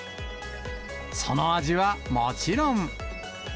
その味はもちろん。